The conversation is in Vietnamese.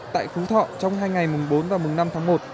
tại phú thọ trong hai ngày mùng bốn và mùng năm tháng một